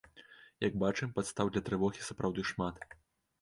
Як бачым, падстаў для трывогі сапраўды шмат.